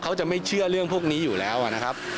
เขาจะไม่เชื่อเรื่องพวกนี้อยู่แล้วนะครับ